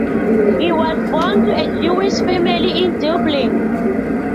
He was born to a Jewish family in Dublin.